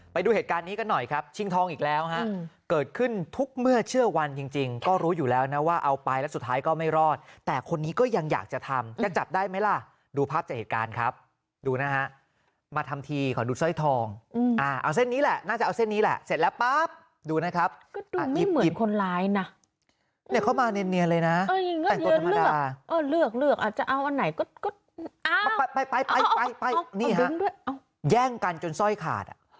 ไปดูเหตุการณ์นี้กันหน่อยครับชิงทองอีกแล้วฮะเกิดขึ้นทุกเมื่อเชื่อวันจริงจริงก็รู้อยู่แล้วนะว่าเอาไปแล้วสุดท้ายก็ไม่รอดแต่คนนี้ก็ยังอยากจะทำจะจับได้ไหมล่ะดูภาพจากเหตุการณ์ครับดูนะฮะมาทำทีขอดูสร้อยทองอ่าเอาเส้นนี้แหละน่าจะเอาเส้นนี้แหละเสร็จแล้วปั๊บดูนะครับก็ดูไม่เหมือนคนร้ายน่